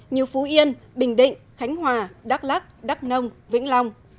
như phú yên bình định khánh hòa đắk lắc đắk nông vĩnh long